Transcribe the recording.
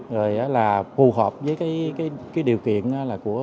rồi là phù hợp với điều kiện của chính phủ